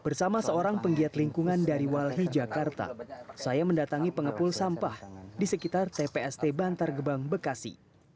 bersama seorang penggiat lingkungan dari walhi jakarta saya mendatangi pengepul sampah di sekitar tpst bantar gebang bekasi